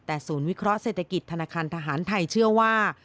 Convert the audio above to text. แต่ศูนย์วิเคราะห์เศรษฐกิจธนาคารทหารไทยเชื่อว่า